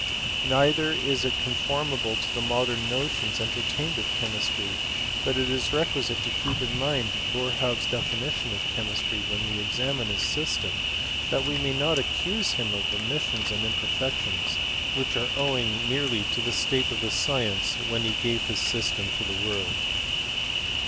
Neither * is it conformable to jthe modem notions entertained of chemistry ; but it is requisite to keep in mind Boerhaave's definition of chemistry, when we examine his system, that we may not accuse him of omissions and imperfections, which are owing merely to the state of the science when he gave his system to the world.